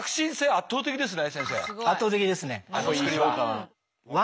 圧倒的ですね。